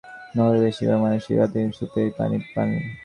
এগুলো সমাপ্ত হলে জনবহুল নগরের বেশির ভাগ মানুষই কাঙ্ক্ষিত সুপেয় পানি পাবে।